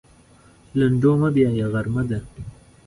لنډو مه بیایه غرمه ده.